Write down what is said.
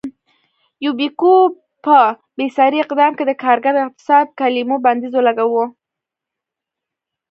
یوبیکو په بېساري اقدام کې د کارګر او اعتصاب کلیمو بندیز ولګاوه.